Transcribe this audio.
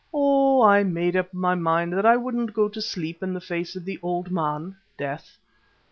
Oh! I made up my mind that I wouldn't go to sleep in the face of the Old Man (death).